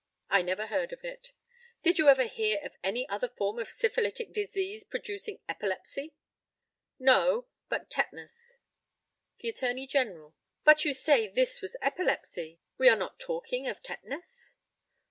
I never heard of it. Did you ever hear of any other form of syphilitic disease producing epilepsy? No; but tetanus. The ATTORNEY GENERAL: But you say this was epilepsy; we are not talking of tetanus?